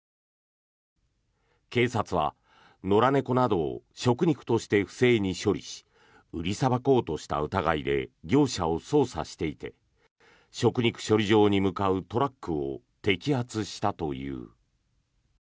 警察は野良猫などを食肉として不正に処理し売りさばこうとした疑いで業者を捜査していて食肉処理場に向かうトラックを摘発したという。